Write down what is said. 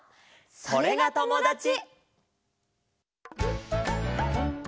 「それがともだち」！